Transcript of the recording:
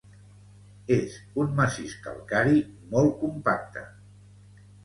És un massís calcari molt compacte.